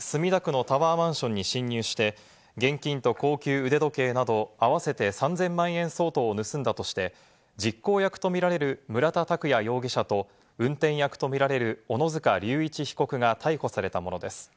この事件はことし４月、墨田区のタワーマンションに侵入して現金と高級腕時計など合わせて３０００万円相当を盗んだとして、実行役とみられる村田拓也容疑者と運転役とみられる小野塚隆一容疑者が逮捕されたものです。